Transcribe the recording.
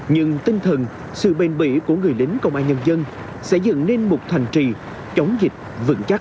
nhưng tinh thần sự bền bỉ của người lính công an nhân dân sẽ dựng nên một thành trì chống dịch vững chắc